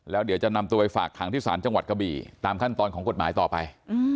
แล้วเดี๋ยวจะนำตัวไปฝากขังที่ศาลจังหวัดกะบี่ตามขั้นตอนของกฎหมายต่อไป